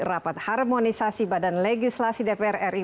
rapat harmonisasi badan legislasi dpr ri